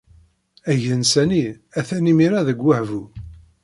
Agensa-nni atan imir-a deg weḥbu.